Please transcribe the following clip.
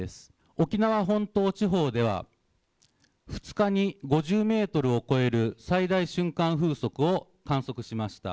沖縄本島地方では２日に５０メートルを超える最大瞬間風速を観測しました。